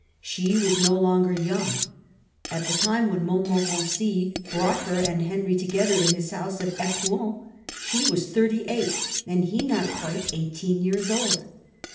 She was no longer young. At the time when Montmorency brought her and Henry together in his house at Ecouen, she was thirty eight and he not quite eighteen years old.